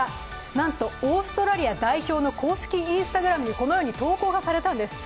なんと、オーストラリア代表の公式Ｉｎｓｔａｇｒａｍでこのように投稿がされたんです。